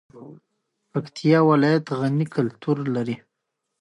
پکتیا ولایت غني کلتور لري